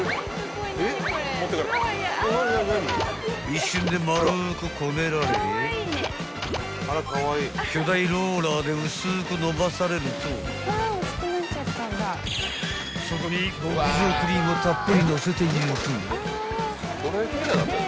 ［一瞬でまるくこねられ巨大ローラーで薄く伸ばされるとそこに極上クリームをたっぷりのせていく］